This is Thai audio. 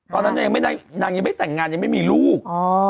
ตอนนั้นยังไม่ได้นางยังไม่ได้แต่งงานยังไม่มีลูก